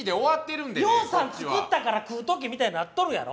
ぎょうさん作ったから食うとけみたいになっとるやろ？